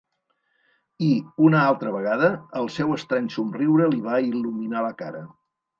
I, una altra vegada, el seu estrany somriure li va il·luminar la cara.